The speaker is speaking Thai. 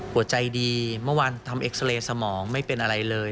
หัวใจดีเมื่อวานทำเอ็กซาเรย์สมองไม่เป็นอะไรเลย